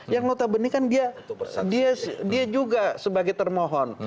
yang notabene kan dia juga sebagai termohon